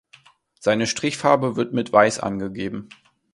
Seine Strichfarbe wird mit weiß angegeben.